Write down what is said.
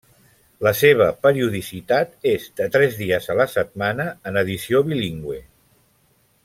La seva periodicitat és de tres dies a la setmana, en edició bilingüe.